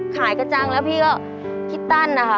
กระจังแล้วพี่ก็คิดสั้นนะคะ